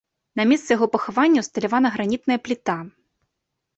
На месцы яго пахавання ўсталявана гранітная пліта.